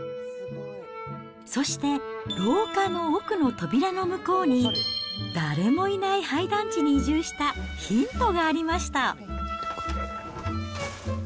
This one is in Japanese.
そして、廊下の奥の扉の向こうに、誰もいない廃団地に移住したヒントがありました。